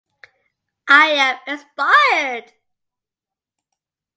I am inspired!